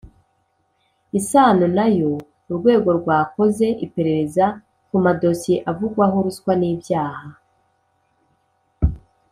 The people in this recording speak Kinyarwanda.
isano nayo Urwego rwakoze iperereza ku madosiye avugwamo ruswa n ibyaha